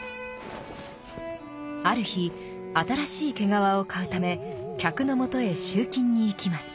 ある日新しい毛皮を買うため客のもとへ集金に行きます。